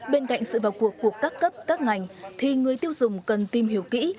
bên cạnh sự vào cuộc của các cấp các ngành thì người tiêu dùng cần tìm hiểu kỹ